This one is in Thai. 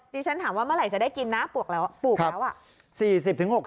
ดิฉันถามว่าเมื่อไหร่จะได้กินน่ะปลูกแล้ว